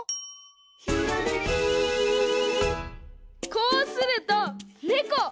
こうするとねこ！